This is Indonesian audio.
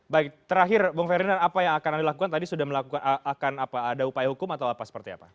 baik terakhir bung ferry dan apa yang akan dilakukan tadi sudah melakukan akan ada upaya hukum atau seperti apa